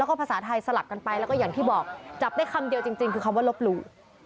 แล้วก็ภาษาไทยสลับกันไปแล้วก็อย่างที่บอกจับได้คำเดียวจริงคือคำว่าลบหลู่